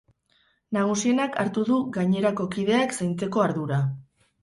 Nagusienak hartu du gainerako kideak zaintzeko ardura.